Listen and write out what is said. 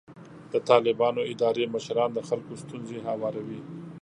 د طالبانو اداري مشران د خلکو ستونزې اوري.